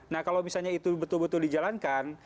nah kalau misalnya itu betul betul dijalankan